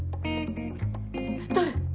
誰！？